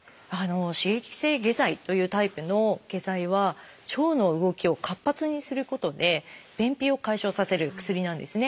刺激性下剤というタイプの下剤は腸の動きを活発にすることで便秘を解消させる薬なんですね。